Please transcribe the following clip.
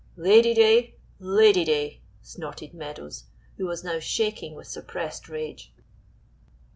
"Lady day! Lady day!" snorted Meadows, who was now shaking with suppressed rage.